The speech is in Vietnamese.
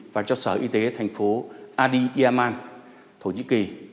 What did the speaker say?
và cho sở y tế thành phố adi yaman thổ nhĩ kỳ